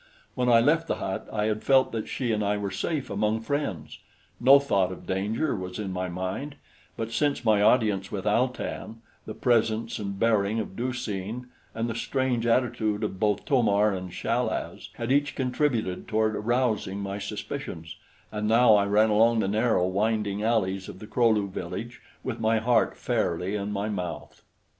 When I left the hut, I had felt that she and I were safe among friends; no thought of danger was in my mind; but since my audience with Al tan, the presence and bearing of Du seen and the strange attitude of both To mar and Chal az had each contributed toward arousing my suspicions, and now I ran along the narrow, winding alleys of the Kro lu village with my heart fairly in my mouth.